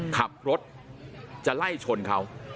ขับรถจะไล่ชนเขา